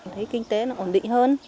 thấy kinh tế nó ổn định hơn